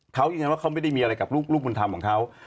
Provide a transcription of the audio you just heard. เขายืนยันว่าเขาไม่ได้มีอะไรกับลูกบุญธรรมของเขา